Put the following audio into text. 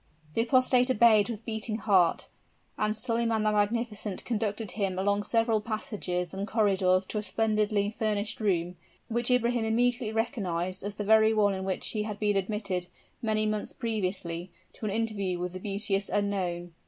The apostate obeyed with beating heart, and Solyman the Magnificent conducted him along several passages and corridors to a splendidly furnished room, which Ibrahim immediately recognized as the very one in which he had been admitted, many months previously, to an interview with the beauteous unknown.